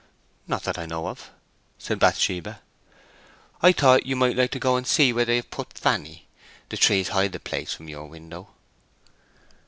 "Not that I know of," said Bathsheba. "I thought you might like to go and see where they have put Fanny. The trees hide the place from your window."